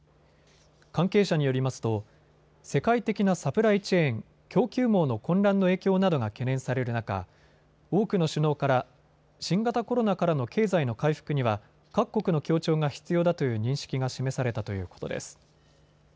関係者によりますと世界的なサプライチェーン・供給網の混乱の影響などが懸念される中、多くの首脳から新型コロナからの経済の回復には各国の協調が必要だという認識が示されたということです。